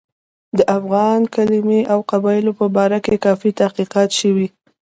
د افغان کلمې او قبایلو په باره کې کافي تحقیقات شوي.